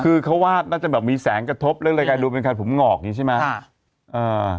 คือเขาว่าน่าจะแบบมีแสงกระทบเรื่องรายการดูเป็นใครผมหงอกอย่างนี้ใช่ไหม